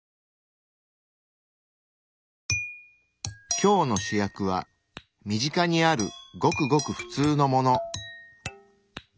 今日の主役は身近にあるごくごくふつうのもの。